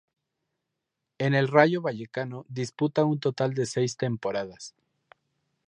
En el Rayo Vallecano disputa un total de seis temporadas.